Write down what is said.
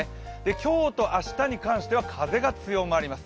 今日と明日に関しては、風が強まります。